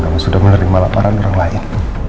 kamu sudah menerima lamaran orang lain